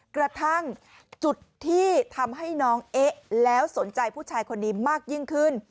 กระทั่งจุดที่ทำให้น้องเอ๊ะแล้วสนใจผู้ชายคนนี้มากยิ่งขึ้น